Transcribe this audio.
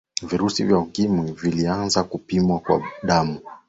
virusi vya ukimwi vilianza kupimwa kwa damu